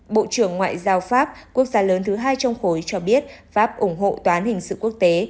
bộ trưởng ngoại giao pháp quốc gia lớn thứ hai trong khối cho biết pháp ủng hộ tòa án hình sự quốc tế